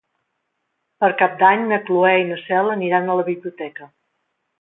Per Cap d'Any na Cloè i na Cel aniran a la biblioteca.